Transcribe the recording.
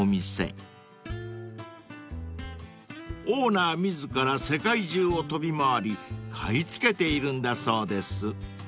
［オーナー自ら世界中を飛び回り買い付けているんだそうです］